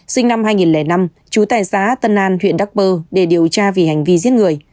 sinh năm hai nghìn năm chú tài xá tân an huyện đắk bơ để điều tra vì hành vi giết người